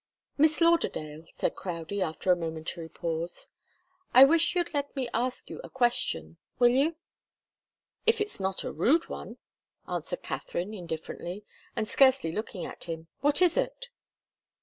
"Miss Lauderdale," said Crowdie, after a momentary pause, "I wish you'd let me ask you a question. Will you?" "If it's not a rude one," answered Katharine, indifferently, and scarcely looking at him. "What is it?"